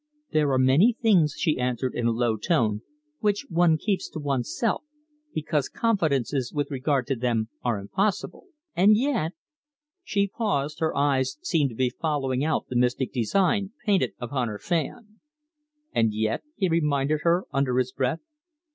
"There are many things," she answered, in a low tone, "which one keeps to oneself, because confidences with regard to them are impossible. And yet " She paused. Her eyes seemed to be following out the mystic design painted upon her fan. "And yet?" he reminded her under his breath.